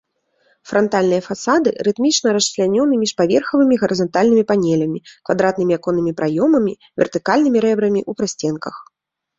Франтальныя фасады рытмічна расчлянёны міжпаверхавымі гарызантальнымі панелямі, квадратнымі аконнымі праёмамі, вертыкальнымі рэбрамі ў прасценках.